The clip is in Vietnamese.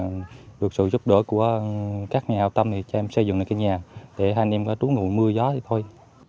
mong muốn em được sự giúp đỡ của các nhà hào tâm cho em xây dựng lại cái nhà để hai anh em có túi ngủi mưa gió thôi